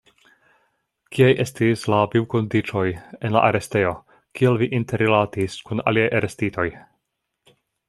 Kiaj estis la vivkondiĉoj en la arestejo, kiel vi interrilatis kun aliaj arestitoj?